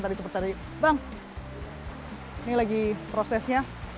bang ini lagi prosesnya